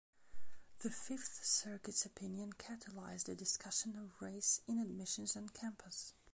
The Fifth Circuit's opinion catalyzed a discussion of race in admissions on campus.